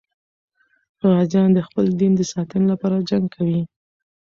غازیان د خپل دین د ساتنې لپاره جنګ کوي.